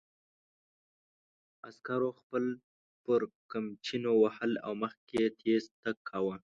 عسکرو خلک پر قمچینو وهل او مخکې یې تېز تګ کاوه.